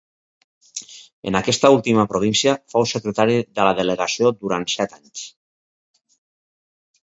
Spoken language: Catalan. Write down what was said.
En aquesta última província fou secretari de la Delegació durant set anys.